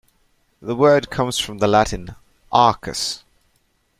The word comes from the Latin "arcus".